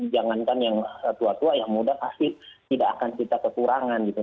jangankan yang tua tua yang muda pasti tidak akan kita kekurangan gitu